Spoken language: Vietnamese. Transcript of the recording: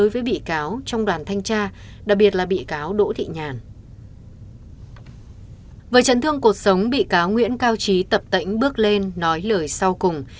với trận thương cuộc sống bị cáo nguyễn cao trí tập tảnh bước lên nói lời sau cùng